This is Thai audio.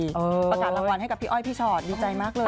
ประกาศรางวัลให้กับพี่อ้อยพี่ชอตดีใจมากเลย